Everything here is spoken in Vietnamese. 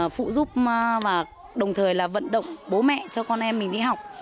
phụ giúp và đồng thời là vận động bố mẹ cho con em mình đi học